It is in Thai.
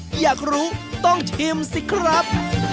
อยากรู้ต้องชิมสิครับ